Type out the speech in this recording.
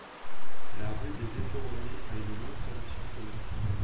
La rue des Éperonniers a une longue tradition commerçante.